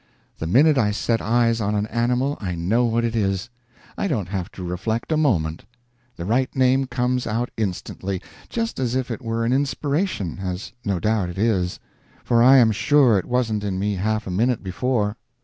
The minute I set eyes on an animal I know what it is. I don't have to reflect a moment; the right name comes out instantly, just as if it were an inspiration, as no doubt it is, for I am sure it wasn't in me half a minute before.